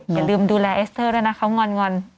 อย่าลืมดูแลเอสเตอร์ด้วยนะเขางอน